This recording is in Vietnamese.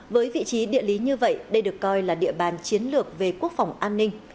với vị trí địa lý như vậy đây được coi là địa bàn chiến lược về quốc phòng an ninh